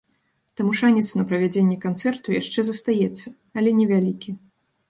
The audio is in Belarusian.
Таму шанец на правядзенне канцэрту яшчэ застаецца, але невялікі.